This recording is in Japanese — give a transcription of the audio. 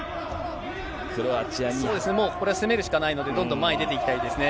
これはもう攻めるしかないので、どんどん前へ出ていきたいですね。